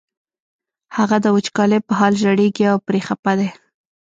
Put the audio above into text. هغه د وچکالۍ په حال ژړېږي او پرې خپه دی.